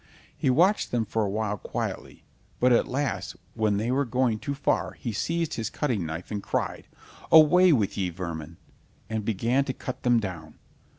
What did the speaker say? He watched them for a while quietly, but at last when they were going too far, he seized his cutting knife, and cried: "Away with ye, vermin," and began to cut them down.